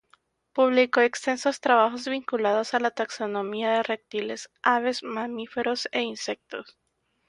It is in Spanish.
Publicó extensos trabajos vinculados a la taxonomía de reptiles, aves, mamíferos e insectos.